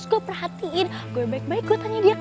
loh bener bener jahat boy